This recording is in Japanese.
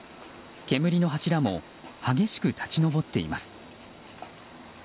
煙の柱も激しく立ち上っています。